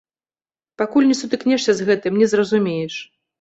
Пакуль не сутыкнешся з гэтым, не зразумееш.